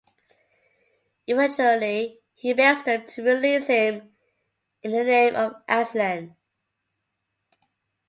Eventually he begs them to release him "in the name of Aslan".